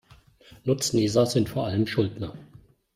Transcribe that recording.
Nutznießer sind vor allem Schuldner.